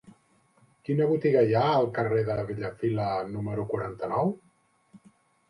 Quina botiga hi ha al carrer de Bellafila número quaranta-nou?